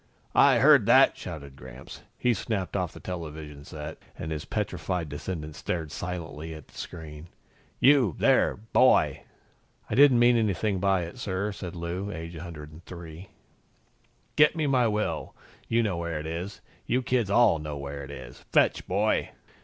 "I heard that!" shouted Gramps. He snapped off the television set and his petrified descendants stared silently at the screen. "You, there, boy " "I didn't mean anything by it, sir," said Lou, aged 103. "Get me my will. You know where it is. You kids all know where it is. Fetch, boy!"